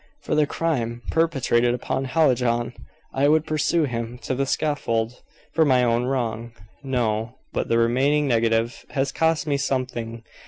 "For the crime perpetrated upon Hallijohn I would pursue him to the scaffold. For my own wrong, no. But the remaining negative has cost me something.